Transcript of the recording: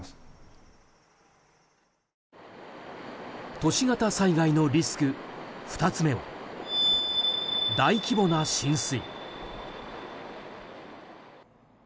都市型災害のリスク２つ目は、大規模な浸水。